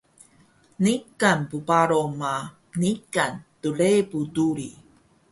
Niqan bbaro ma niqan llebu duri